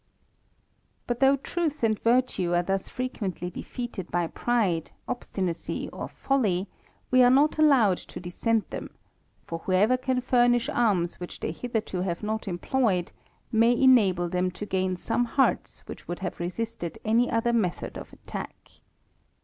But though truth and virtue are thus frequently defeated by pride, obstinacy, or folly, we are not allowed to desert them ; for whoever can furnish arms which they hitherto liive not employed, may enable them to gain some hearli J which would have resisted any other method of attack.